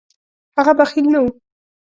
هغه بخیل نه و.